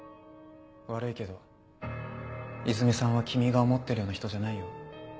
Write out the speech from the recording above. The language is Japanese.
悪いけどいずみさんは君が思ってるような人じゃないよ。